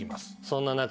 そんな中。